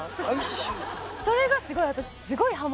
それがすごい私。